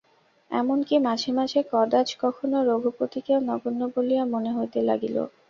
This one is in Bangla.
এমন-কি, মাঝে মাঝে কদাচ কখনো রঘুপতিকেও নগণ্য বলিয়া মনে হইতে লাগিল।